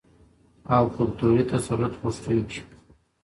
او کلتوري تسلط غوښتونکي